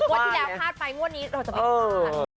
วันที่แล้วพลายงวดนี้เราจะไปกันกัน